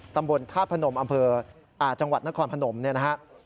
ตำบลฆาตพนมอำเภอจังหวัดนครพนมนะฮะ